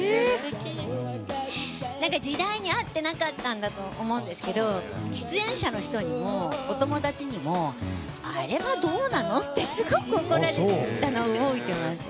時代に合ってなかったんだと思うんですけど出演者の人にも、お友達にもあれはどうなの？ってすごく怒られたのを覚えてます。